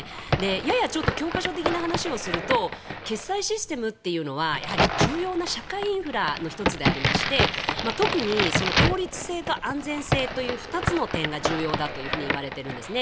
ややちょっと教科書的な話をすると決済システムというのは重要な社会インフラの１つでありまして特に、効率性と安全性という２つの点が重要だといわれているんですね。